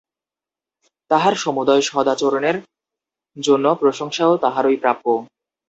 তাহার সমুদয় সদাচরণের জন্য প্রশংসাও তাহারই প্রাপ্য।